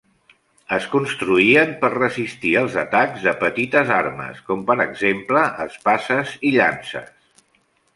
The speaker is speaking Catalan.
Es construïen per resistir els atacs de petites armes, com per exemple espases i llances.